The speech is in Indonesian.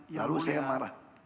lalu saya marah